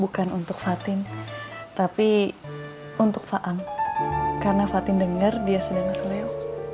bukan untuk fathing tapi untuk faang karena fatin dengar dia sedang seleo